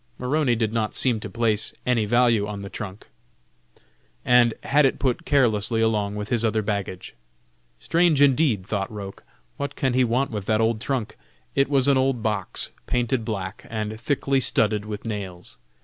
Maroney did not seem to place any value on the trunk, and had it put carelessly along with his other baggage. Strange indeed, thought Roch, what can he want with that old trunk? It was an old box, painted black, and thickly studded with nails.